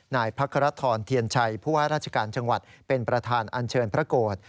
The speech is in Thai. นายพระครทรเทียนชัยผู้ว่าราชการจังหวัดเป็นประธานอันเชิญพระโกรธ